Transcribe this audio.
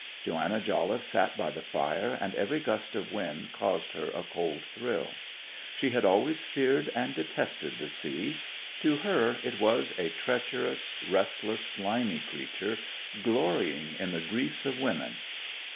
Joanna Jolliffe sat by the fire, and every gust of wind caused her a cold thrill. She had always feared and detested the sea; to her it was a treacherous, restless, slimy creature, glorying in the griefs of women.